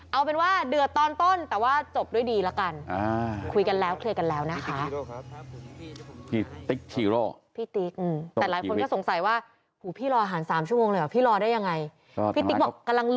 เอาเป็นว่าเดือดตอนต้นแต่ว่าจบด้วยดีแล้วกันคุยกันแล้วเคลียร์กันแล้วนะคะ